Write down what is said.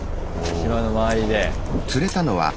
島の周りで。